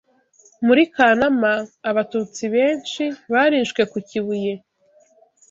Muri Kanama: Abatutsi benshi barishwe ku Kibuye